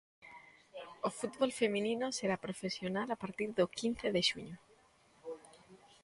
O fútbol feminino será profesional a partir do quince de xuño.